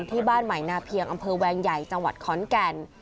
ที่บ้านใหม่นาเพียงอำเภอแวงใหญ่จังหวัดขอนแก่น